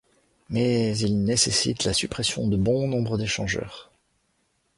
Mais ils nécessitent la suppression de bon nombre d'échangeurs.